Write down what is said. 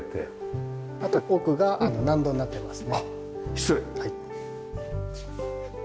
失礼。